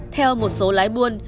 theo một số lái buôn